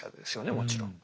もちろん。